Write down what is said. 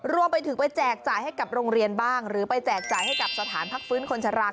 รวมไปถึงไปแจกจ่ายให้กับโรงเรียนบ้างหรือไปแจกจ่ายให้กับสถานพักฟื้นคนชะลา